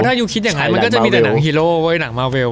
ถ้ายูคิดอย่างนั้นมันก็จะมีแต่หนังฮีโร่เว้ยหนังมาเวล